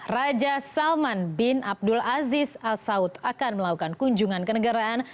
raja salman bin abdul aziz al saud akan melakukan kunjungan ke negaraan